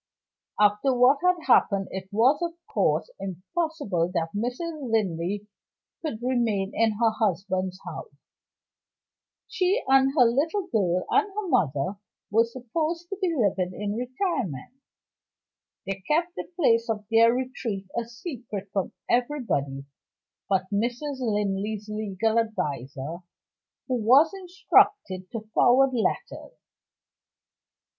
After what had happened, it was, of course, impossible that Mrs. Linley could remain in her husband's house. She and her little girl, and her mother, were supposed to be living in retirement. They kept the place of their retreat a secret from everybody but Mrs. Linley's legal adviser, who was instructed to forward letters.